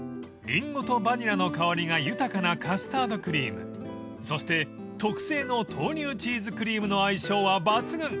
［リンゴとバニラの香りが豊かなカスタードクリームそして特製の豆乳チーズクリームの相性は抜群］